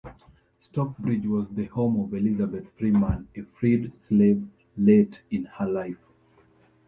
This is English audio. Stockbridge was the home of Elizabeth Freeman, a freed slave, late in her life.